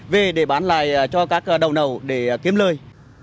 về để bán lại cho các đầu nầu để kiếm lời